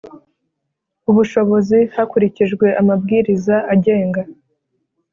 Ubushobozi hakurikijwe amabwiriza agenga